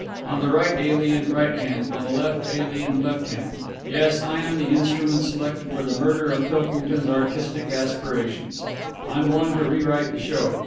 On the right, alien right hand. On the left, alien left hand. Yes, I am the instrument selected for the murder of Pilkington's artistic aspirations. I'm going to rewrite the show.